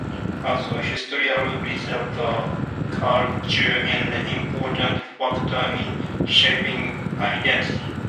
As a "historical reservoir," culture is an important factor in shaping identity.